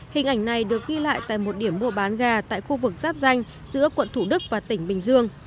hình ảnh này được ghi lại tại một điểm mua bán gà tại khu vực giáp danh giữa quận thủ đức và tỉnh bình dương